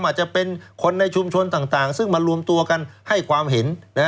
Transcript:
อาจจะเป็นคนในชุมชนต่างซึ่งมารวมตัวกันให้ความเห็น